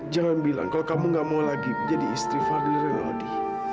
jangan bilang kalau kamu enggak mau lagi menjadi istri fadli renaudi